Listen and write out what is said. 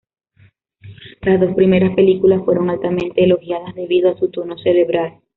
Las dos primeras películas fueron altamente elogiadas debido a su tono cerebral.